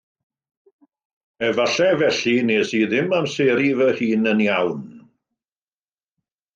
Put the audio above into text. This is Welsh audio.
Efallai felly wnes i ddim amseru fy hun yn iawn